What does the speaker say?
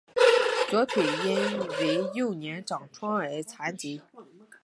左腿因为幼年长疮而微残。